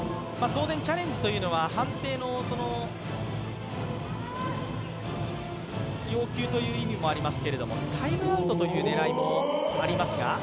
当然、チャレンジというのは判定の要求という意味もありますけれども、タイムアウトという狙いもありますが。